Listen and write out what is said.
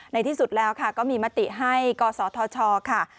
ที่สุดแล้วค่ะก็มีมติให้กศธชค่ะ